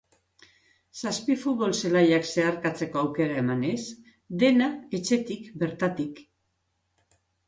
Zazpi futbol-zelaiak zeharkatzeko aukera emanez, dena etxetik bertatik.